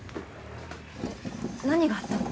何があったの？